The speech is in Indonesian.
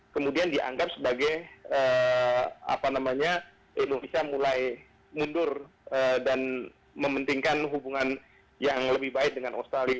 kemudian dianggap sebagai indonesia mulai mundur dan mementingkan hubungan yang lebih baik dengan australia